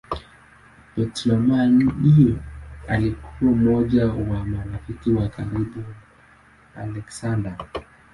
Ptolemaio alikuwa mmoja wa marafiki wa karibu wa Aleksander.